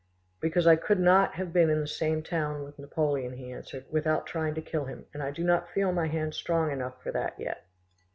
"Because I could not have been in the same town with Napoleon," he answered, "without trying to kill him, and I do not feel my hand strong enough for that yet."